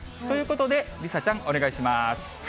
ということで、梨紗ちゃん、お願いします。